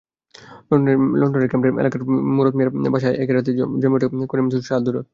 লন্ডনের ক্যামডেন এলাকার সুরত মিয়ার বাসায় একরাতে জমে ওঠে করিম-দূরবীণ শাহ দ্বৈরথ।